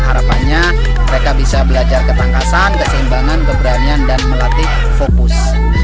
harapannya mereka bisa belajar ketangkasan keseimbangan keberanian dan melatih fokus